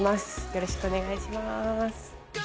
よろしくお願いします。